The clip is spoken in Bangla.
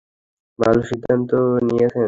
ভালো সিদ্ধান্ত নিয়েছেন!